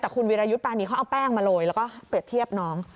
แต่คุณวิรายุทธ์ปรานีเขาเอาแป้งมาโรยแล้วก็เปรียบเทียบน้อง